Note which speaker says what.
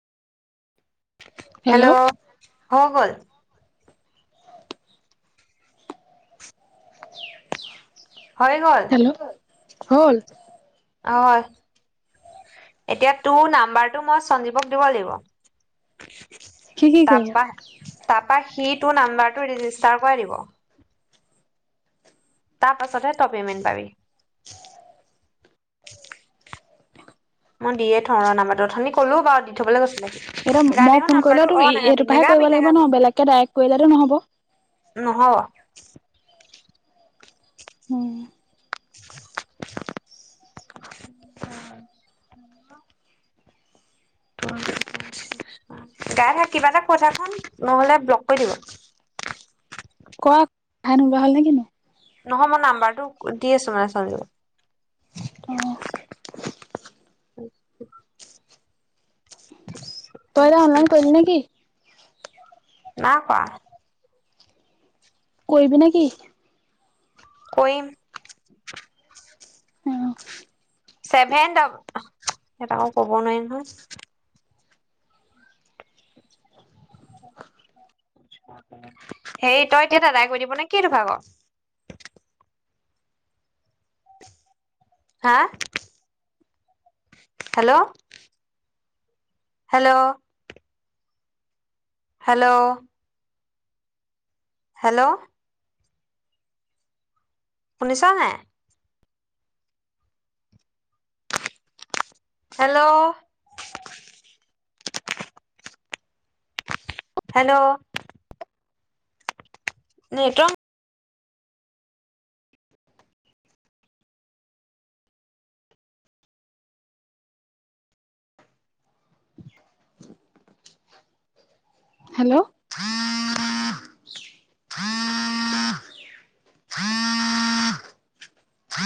Speaker 1: Hello হগল হয় গ'ল
Speaker 2: হেল্ল' হল
Speaker 1: হয় এতিয়া তোৰ নাম্বাৰটো মই সঞ্জীৱক দিব লাগিব
Speaker 2: কি কি
Speaker 1: তা
Speaker 2: কৰিলা?
Speaker 1: তাপা সি তটো নাম্বাৰটো ৰেজিষ্টাৰ কৰাই দিব তাৰ পাছতহে তই পেমেন পাবি মই দিয়ে থৰ নাম্বাৰটো অথনি কলো বাৰ দি থবলৈ কৈছিলে
Speaker 2: এতিয়া
Speaker 1: গাই দে
Speaker 2: মই
Speaker 1: চোন
Speaker 2: ফোন
Speaker 1: নাম্বাৰটো
Speaker 2: কৰিলেও তোক
Speaker 1: অ নাগাবি
Speaker 2: এইটোৰপাহে
Speaker 1: নাগাবি
Speaker 2: কৰিব লাগিব
Speaker 1: নাগাবি
Speaker 2: ন বেলেগকে ডাইৰেক্ট কৰিলেো নহ'ব
Speaker 1: নহব
Speaker 2: হু
Speaker 1: [unintelligible] গাই থাক কিবা এটা কথা খাম নহ'লে ব্লক কৰি দিব
Speaker 2: কোৱা কথাই নোলোৱা হ'ল নে কিনো
Speaker 1: নহয় মই নাম্বাৰটো দি আছো মানে চজ
Speaker 2: অহ তই এতিয়া অনলাইন কৰিলি নে কি
Speaker 1: নাই কোৱা
Speaker 2: কৰিবি নে কি
Speaker 1: কৰিম ছেভেন সেইটা আকৌ ক'ব নোৱাৰি নহয় হেই তই এতিয়া দাদাই কৰি দিব নে কি দু ভাগৰ হা হেল্ল' হেল্ল' হেল্ল' হেল্ল' শুনিছা নে হেল্ল' হেল্ল' নেটৱক [unintelligible]
Speaker 2: হেল্ল'।